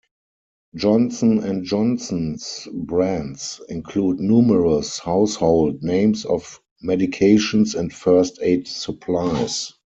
Johnson and Johnson's brands include numerous household names of medications and first aid supplies.